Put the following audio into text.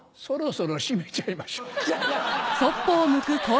そろそろシメちゃいましょう。